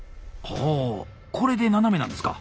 ほこれで斜めなんですか。